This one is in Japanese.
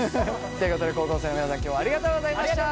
ということで高校生の皆さん今日はありがとうございました。